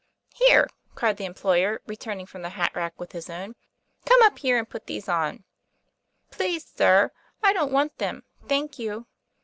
"Here, "cried the employer, returning from the hat rack with his own, " come up here and put these on.' "Please, sir, I don't want them, thank you."